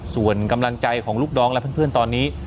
ส่วนกำลังใจของลูกน้องและเพื่อนตอนนี้